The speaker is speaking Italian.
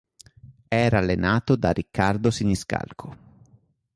Era allenato da Riccardo Siniscalco.